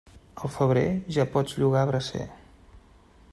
Al febrer, ja pots llogar bracer.